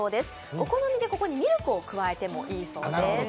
お好みでここにミルクを加えてもいいそうです。